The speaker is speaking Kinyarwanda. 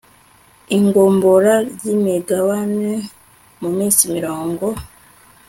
igombora ry imigabane mu minsi mirongo